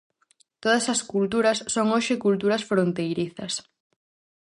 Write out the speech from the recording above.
Todas as culturas son hoxe culturas fronteirizas.